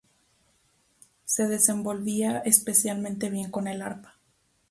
Se desenvolvía especialmente bien con el arpa.